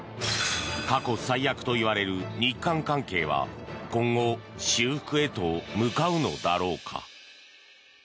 過去最悪といわれる日韓関係は今後修復へと向かうのだろうか。